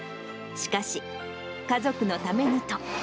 しかし、家族のためにと。